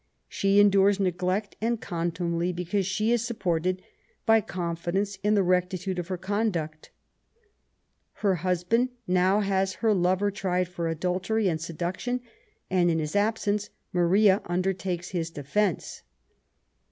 She endures neglect and contumely because she is sup* ported by confidence in the rectitude of her conduct* Her husband now has her lover tried for adultery and seduction, and in his absence Maria undertakes hia defence.